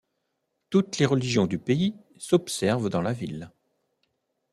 Toutes les religions du pays s'observent dans la ville.